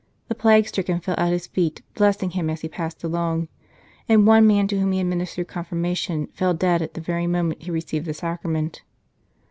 The plague stricken fell at his feet blessing him as he passed along, and one man to whom he administered Confirmation fell dead at the very moment he received the Sacrament.